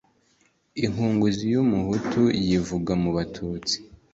Inkunguzi y’umuhutu yivuga mu batutsi.